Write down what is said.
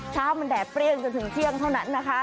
เช้ามันแดดเปรี้ยงจนถึงเที่ยงเท่านั้นนะคะ